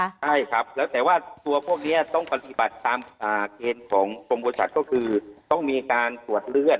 ใช่ครับแต่ว่าตัวพวกเนี่ยต้องปฏิบัติตามเกณฑ์ของความปวดชัดก็คือต้องมีการปวดเลือด